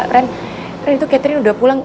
ren ren itu catherine udah pulang